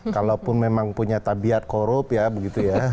kalaupun memang punya tabiat korup ya begitu ya